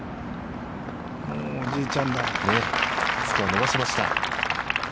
スコアを伸ばしました。